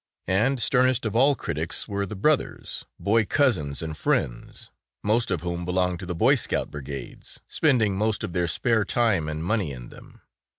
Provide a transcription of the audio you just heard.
And sternest of all critics were the brothers, boy cousins and friends, most of whom belonged to the Boy Scout brigades, spending most of their spare time and money in them.